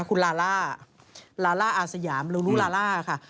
คุณลาล่าลาลาล่าอาสยามลูลูลาล่าค่ะ